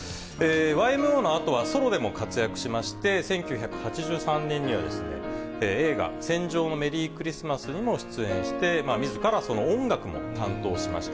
ＹＭＯのあとはソロでも活躍しまして、１９８３年には映画、戦場のメリークリスマスにも出演して、みずからその音楽も担当しました。